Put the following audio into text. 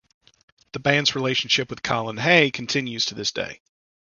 The band's relationship with Colin Hay continues to this day.